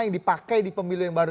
yang dipakai di pemilu yang baru